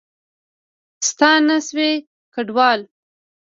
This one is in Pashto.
ستانه شوي کډوال